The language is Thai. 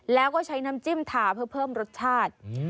แล้วก็ใช้น้ำจิ้มทาเพื่อเพิ่มรสชาติ